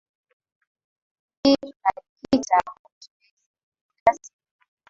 ii tunajikita kwa mazoezi ya viungo kila siku